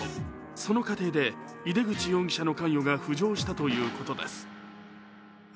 その過程で井手口容疑者の関与が浮上したということです。